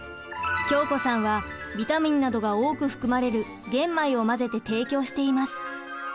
京子さんはビタミンなどが多く含まれる玄米を混ぜて提供しています。